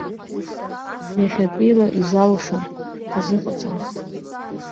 Иахьатәиала изалшом, ҳазыҟаҵам.